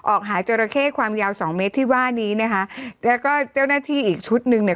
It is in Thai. หาจราเข้ความยาวสองเมตรที่ว่านี้นะคะแล้วก็เจ้าหน้าที่อีกชุดหนึ่งเนี่ย